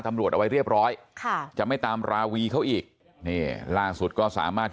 เอาไว้เรียบร้อยค่ะจะไม่ตามราวีเขาอีกนี่ล่าสุดก็สามารถ